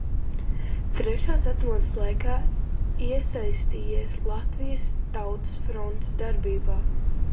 Trešās atmodas laikā iesaistījies Latvijas Tautas frontes darbībā.